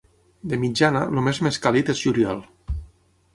De mitjana, el mes més càlid és juliol.